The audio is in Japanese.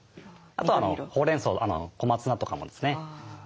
あとほうれんそう小松菜とかもですね。